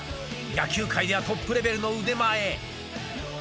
野球界ではトップレベルの腕前。